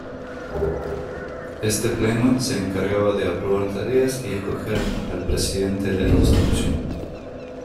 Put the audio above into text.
Este pleno se encargaba de aprobar tareas y escoger al presidente de la institución.